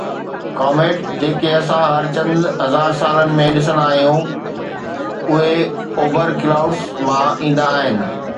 ڪاميٽ جيڪي اسان هر چند هزار سالن ۾ ڏسندا آهيون، اهي ”اوپرٽ ڪلائوڊس“ مان ايندا آهن.